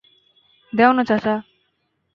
দেও না, চাচা।